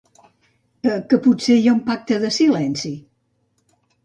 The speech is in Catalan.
¿Que potser hi ha un pacte de silenci?